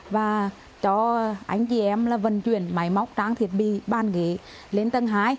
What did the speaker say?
và cho anh chị em là vận chuyển máy móc trang thiết bị ban ghế lên tầng hai